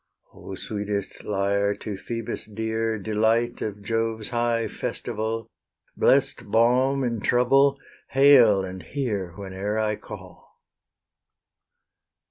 O sweetest lyre, to Phoebus dear, Delight of Jove's high festival, Blest balm in trouble, hail and hear Whene'er I call!